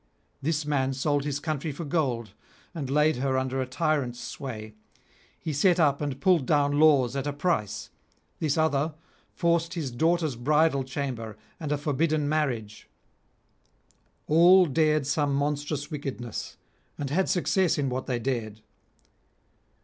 _ This man sold his country for gold, and laid her under a tyrant's sway; he set up and pulled down laws at a price; this other forced his daughter's bridal chamber and a forbidden marriage; all dared some monstrous wickedness, and had success in what they dared.